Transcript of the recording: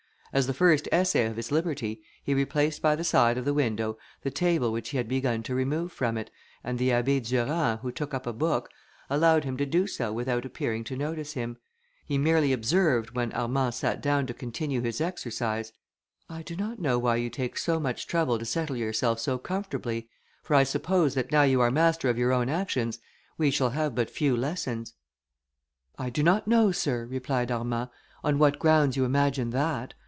As the first essay of his liberty, he replaced by the side of the window the table which he had begun to remove from it, and the Abbé Durand, who took up a book, allowed him to do so without appearing to notice him; he merely observed, when Armand sat down to continue his exercise, "I do not know why you take so much trouble to settle yourself so comfortably, for I suppose, that now you are master of your own actions, we shall have but few lessons." "I do not know, sir," replied Armand, "on what grounds you imagine that.